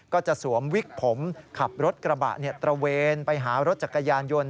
ก็จะสวมวิกผมขับรถกระบะตระเวนไปหารถจักรยานยนต์